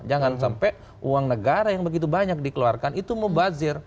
jangan sampai uang negara yang begitu banyak dikeluarkan itu mubazir